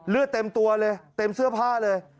เต็มตัวเลยเต็มเสื้อผ้าเลย